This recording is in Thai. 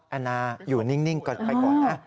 แอนนาอยู่นิ่งก่อนค่ะ